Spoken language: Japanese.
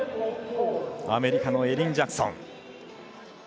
アメリカのエリン・ジャクソン。